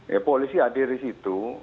ya polisi hadir di situ